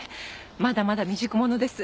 まだまだ未熟者です。